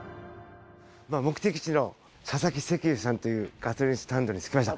目的地のササキ石油さんというガソリンスタンドに着きました。